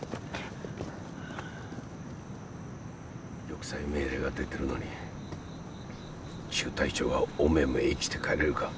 玉砕命令が出てるのに中隊長がおめおめ生きて帰れるか。